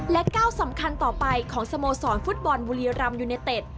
และก้าวสำคัญต่อไปของสโมสรฟุตบอลบุรีรำยูเนเต็ด